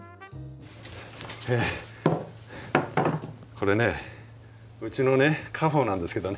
これねうちのね家宝なんですけどね